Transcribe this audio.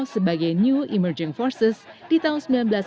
sebagai new emerging forces di tahun seribu sembilan ratus sembilan puluh